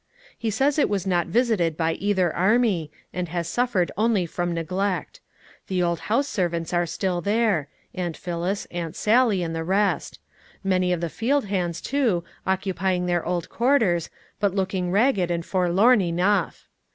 "He says it was not visited by either army, and has suffered only from neglect. The old house servants are still there Aunt Phillis, Aunt Sally, and the rest; many of the field hands, too, occupying their old quarters, but looking ragged and forlorn enough.